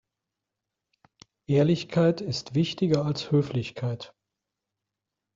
Ehrlichkeit ist wichtiger als Höflichkeit.